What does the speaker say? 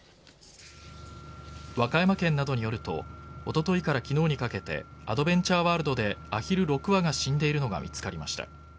和歌山県などによるとおとといから昨日にかけてアドベンチャーワールドでアヒル６羽が死んでいるのが見つかりました。